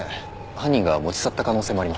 犯人が持ち去った可能性もあります。